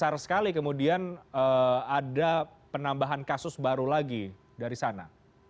jadi ini besar sekali kemudian ada penambahan kasus baru lagi dari sana